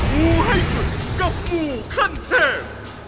มูให้สุดกับมูคันแทบ